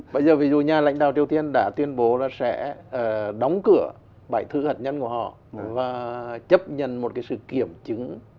bây giờ ví dụ nhà lãnh đạo triều tiên đã tuyên bố là sẽ đóng cửa bài thư hạt nhân của họ và chấp nhận một sự kiểm chứng